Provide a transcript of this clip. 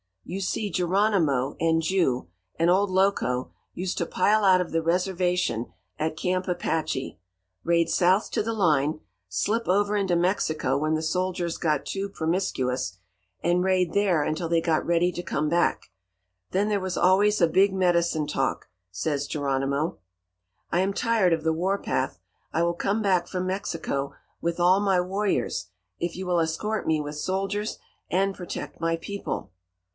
You see, Geronimo, and Ju, and old Loco used to pile out of the reservation at Camp Apache, raid south to the line, slip over into Mexico when the soldiers got too promiscuous, and raid there until they got ready to come back. Then there was always a big medicine talk. Says Geronimo: "'I am tired of the warpath. I will come back from Mexico with all my warriors, if you will escort me with soldiers and protect my people.'